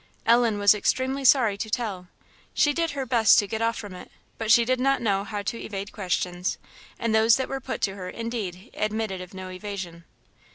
Ellen was extremely sorry to tell, she did her best to get off from it, but she did not know how to evade questions; and those that were put to her indeed admitted of no evasion.